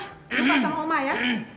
lupa sama oma ya